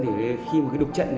thì khi một cái đục trận